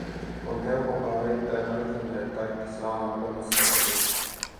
On helpompaa väittää kaikille, et kaikki saahaa pelastettuu.